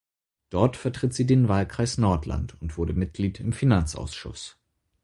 Dort vertritt sie den Wahlkreis Nordland und wurde Mitglied im Finanzausschuss.